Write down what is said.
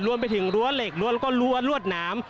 รวมไปถึงรั้วเหล็กแล้วก็รั้วรวดหนาม